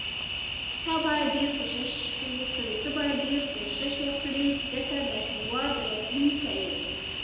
ته باید ډیر کوښښ وکړي ځکه ته د هیواد راتلوونکی یې.